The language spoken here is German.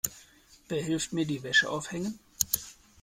Wer hilft mir die Wäsche aufhängen?